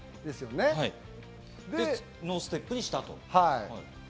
それでノーステップにしたと。